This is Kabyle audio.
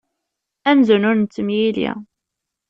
Amzun ur nettemyili.